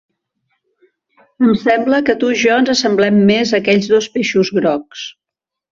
Em sembla que tu i jo ens assemblem més a aquells dos peixos grocs.